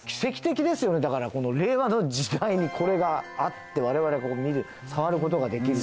だからこの令和の時代にこれがあって我々が見る触る事ができる。